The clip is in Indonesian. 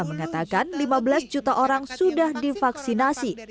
mengatakan lima belas juta orang sudah divaksinasi